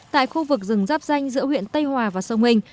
tại khu vực rừng rắp danh giữa huyện tây hòa và sông hình